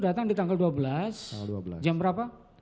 datang di tanggal dua belas jam berapa